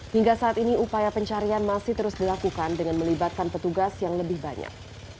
hingga saat ini upaya pencarian masih terus dilakukan dengan melibatkan petugas yang lebih banyak